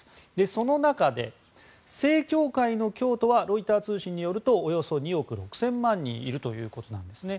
その中で正教会の教徒はロイター通信によるとおよそ２億６０００万人いるということなんですね。